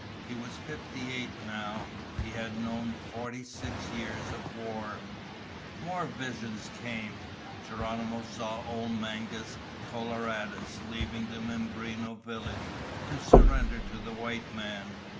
He was fifty eight now. He had known forty six years of war. More visions came. Geronimo saw old Mangus Coloradus, leaving the Mimbreno village to surrender to the white man.